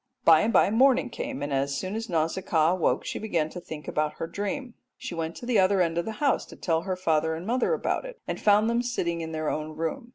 By and by morning came, and as soon as Nausicaa woke she began thinking about her dream. She went to the other end of the house to tell her father and mother all about it, and found them in their own room.